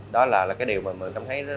đó là cái điều mà mình cảm thấy